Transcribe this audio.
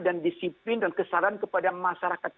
dan disiplin dan kesaran kepada masyarakat